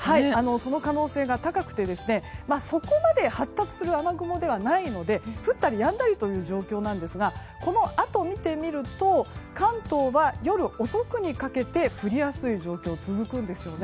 その可能性が高くてそこまで発達する雨雲ではないので降ったりやんだりという状況ですがこのあと見てみると関東は夜遅くにかけて降りやすい状況が続くんですよね。